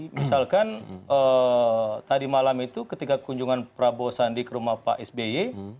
misalkan tadi malam itu ketika kunjungan prabowo sandi ke rumah pak sby